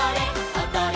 おどれ！